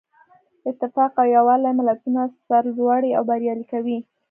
اتفاق او یووالی ملتونه سرلوړي او بریالي کوي.